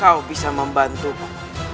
kau bisa membantuku